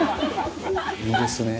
「いいですね」